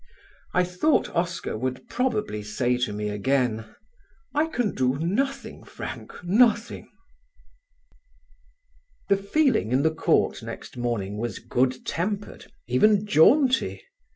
I thought Oscar would probably say to me again: "I can do nothing, Frank, nothing." The feeling in the court next morning was good tempered, even jaunty.